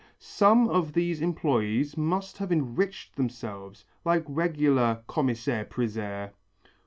Some of these employés must have enriched themselves like regular commissaires priseurs.